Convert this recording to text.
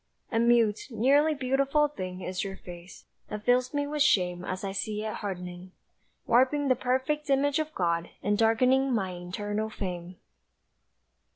A mute, nearly beautiful thing Is your face, that fills me with shame As I see it hardening, Warping the perfect image of God, And darkening my eternal fame.